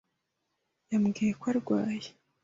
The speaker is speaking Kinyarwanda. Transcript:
Yambwiye ko arwaye.